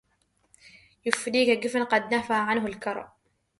يفديك جفن قد نفى عنه الكرى